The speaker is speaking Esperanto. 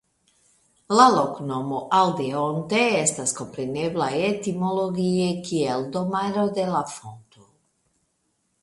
La loknomo "Aldeonte" estas komprenebla etimologie kiel Domaro de la Fonto.